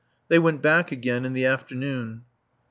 They went back again in the afternoon.